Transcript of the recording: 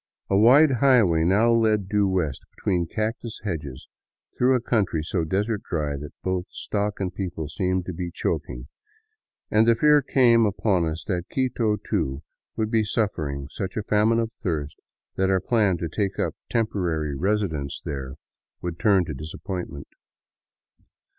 A wide highway now led due west between cactus hedges through a coun try so desert dry that both stock and people seemed to be choking ; and the fear came upon us that Quito, too, would be suflfering such a famine of thirst that our plan to take up temporary residence tliere 125 VAGABONDING DOWN THE ANDES would turn to disappointment.